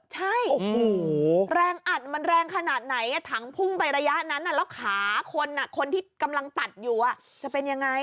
ใช่แรงอัดมันแรงขนาดไหนถังพุ่งไประยะนั้นแล้วขาคนคนที่กำลังตัดอยู่จะเป็นยังไง